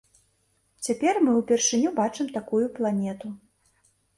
Цяпер мы ўпершыню бачым такую планету.